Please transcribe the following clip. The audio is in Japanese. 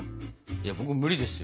いや僕無理ですよ。